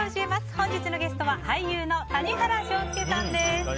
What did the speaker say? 本日のゲストは俳優の谷原章介さんです。